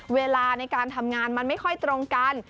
เวลาในการทำงานมันไม่ค่อยตรงกัน